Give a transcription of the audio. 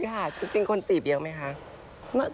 พี่หาดจริงคนจีบยังไหมคะ